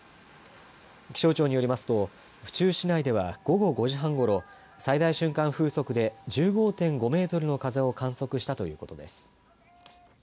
気象庁によりますと府中市内には、午後５時半ごろ最大瞬間風速で１５．５メートルの風を観測したということです。